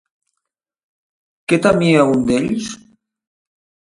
Què temia un d'ells?